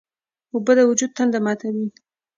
اوبه د وجود تنده ماتوي.